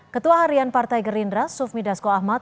ketua harian partai gerindra sufmi dasko ahmad